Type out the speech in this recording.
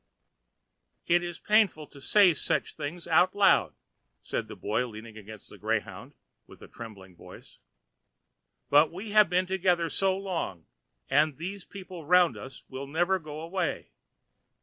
"It is painful to say such things out loud," said the Boy leaning against a greyhound, with a trembling voice, "but we have been together so long, and these people round us never will go away.